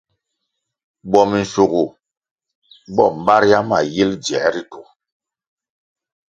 Bo minshugu bo mbaria ma yil dziē ritu.